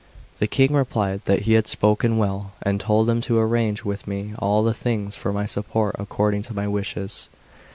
The King replied that he had spoken well, and told him to arrange with me all things for my support according to my wishes.